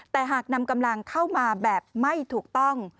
แต่หากนำกำลังเข้ามาแบบไม่ถูกต้อง